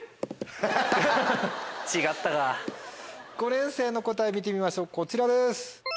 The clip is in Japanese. ５年生の答え見てみましょうこちらです。